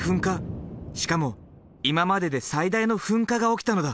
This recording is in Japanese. しかも今までで最大の噴火が起きたのだ。